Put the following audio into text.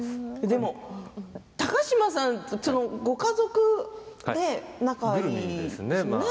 でも高嶋さんとご家族で仲がいいんですね。